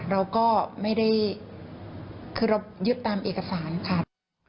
เราก็ไม่ได้คือเรายึดตามเอกสารค่ะ